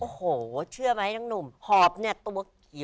โอ้โหเชื่อไหมน้องหนุ่มหอบเนี่ย